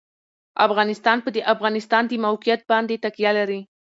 افغانستان په د افغانستان د موقعیت باندې تکیه لري.